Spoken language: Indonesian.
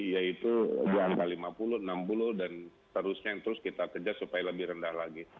yaitu di angka lima puluh enam puluh dan seterusnya yang terus kita kejar supaya lebih rendah lagi